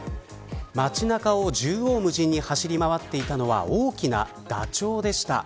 街中を縦横無尽に走り回っていたのは大きなダチョウでした。